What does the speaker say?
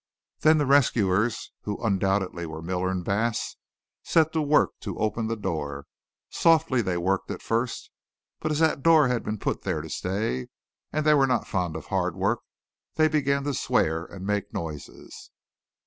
Then the rescuers, who undoubtedly were Miller and Bass, set to work to open the door. Softly they worked at first, but as that door had been put there to stay, and they were not fond of hard work, they began to swear and make noises.